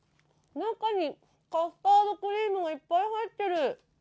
中にカスタードクリームがいっぱい入ってる。